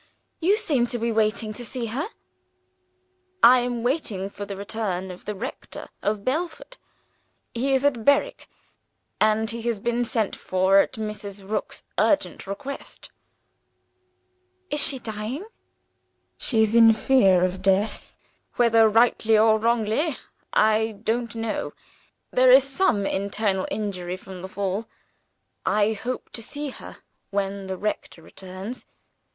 You seem to be waiting to see her." "I am waiting for the return of the rector of Belford. He is at Berwick; and he has been sent for at Mrs. Rook's urgent request." "Is she dying?" "She is in fear of death whether rightly or wrongly, I don't know. There is some internal injury from the fall. I hope to see her when the rector returns.